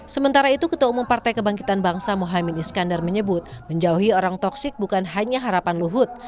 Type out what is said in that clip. sementara itu ketua umum partai kebangkitan bangsa mohaimin iskandar menyebut menjauhi orang toksik bukan hanya harapan luhut